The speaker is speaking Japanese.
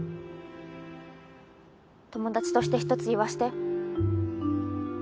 友達として１つ言わせて。